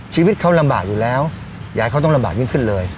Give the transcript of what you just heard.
ชีวิตเขาลำบากอยู่แล้วอยากให้เขาต้องลำบากยิ่งขึ้นเลย